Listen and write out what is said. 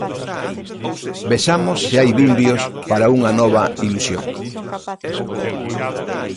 Vexamos se hai vimbios para unha nova ilusión.